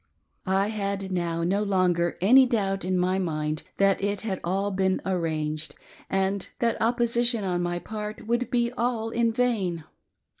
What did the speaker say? I had now no longer any doubt in my mind' thdt it had been all "arranged," and that opposition on my part would be all in vain.